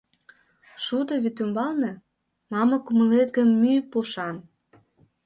Шудо вӱтамбалне — мамык кумылет гай мӱй пушан.